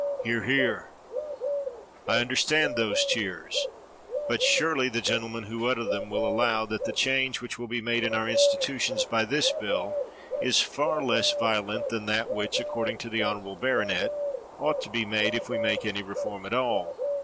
[Hear! hear!] I understand those cheers; but surely the gentlemen who utter them will allow that the change which will be made in our institu tions by this bill is far less violent than that which, according to the honorable baronet, ought to be made if we make any reform at all.